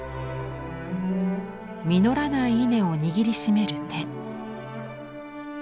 実らない稲を握りしめる手。